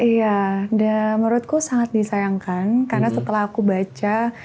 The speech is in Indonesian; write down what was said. iya dan menurutku sangat disayangkan karena setelah aku baca